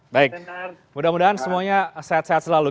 baik mudah mudahan semuanya sehat sehat selalu